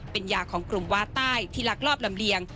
เป็นยาของกลุ่มวาใต้ที่ลักลอบลำเลียง